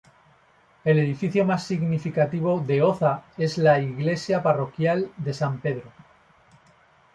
El edificio más significativo de Oza es la iglesia parroquial de San Pedro.